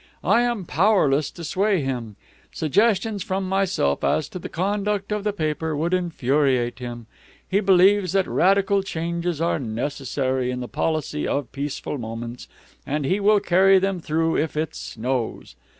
I am powerless to sway him. Suggestions from myself as to the conduct of the paper would infuriate him. He believes that radical changes are necessary in the policy of Peaceful Moments, and he will carry them through if it snows.